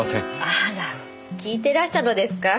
あら聞いてらしたのですか？